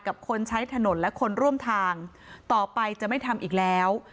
คนใช้ถนนและคนร่วมทางต่อไปจะไม่ทำอีกแล้ว